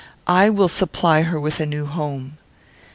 I will supply her with a new home."